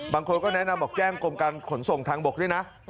บางคนก็แนะนำบอกแจ้งกรมการขนส่งทางบกด้วยนะ